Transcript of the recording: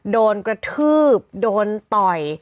โดนกระทืบโดนต่อย